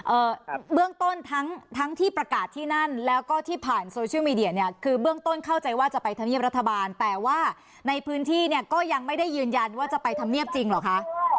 เอ่อเบื้องต้นทั้งทั้งที่ประกาศที่นั่นแล้วก็ที่ผ่านโซเชียลมีเดียเนี่ยคือเบื้องต้นเข้าใจว่าจะไปทำเนียบรัฐบาลแต่ว่าในพื้นที่เนี่ยก็ยังไม่ได้ยืนยันว่าจะไปทำเนียบจริงเหรอคะ